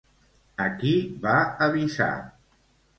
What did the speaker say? A qui va avisar?